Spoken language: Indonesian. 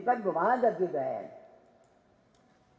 kan belum ada juga